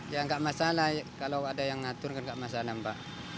ya nggak masalah kalau ada yang ngatur kan nggak masalah mbak